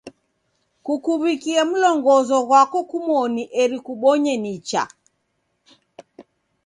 Kukuw'ikie mlongozo ghwako kumoni eri kubonye nicha.